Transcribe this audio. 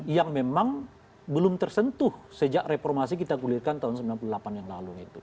yang memang belum tersentuh sejak reformasi kita gulirkan tahun sembilan puluh delapan yang lalu itu